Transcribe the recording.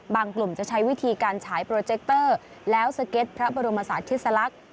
กลุ่มจะใช้วิธีการฉายโปรเจคเตอร์แล้วสเก็ตพระบรมศาสตธิสลักษณ์